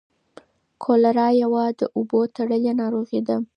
کولرا یوه د اوبو تړلۍ ناروغي ده.